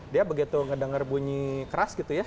dia begitu ngedengar bunyi keras gitu ya